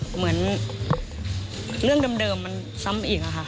เหมือนเรื่องเดิมมันซ้ำอีกอะค่ะ